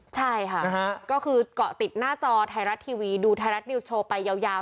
ใช่ค่ะก็คือเกาะติดหน้าจอไทยรัฐทีวีดูไทยรัฐนิวส์โชว์ไปยาว